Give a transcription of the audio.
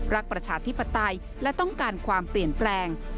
ประชาธิปไตยและต้องการความเปลี่ยนแปลง